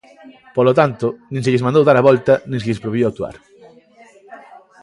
Polo tanto, nin se lles mandou dar a volta nin se lles prohibiu actuar.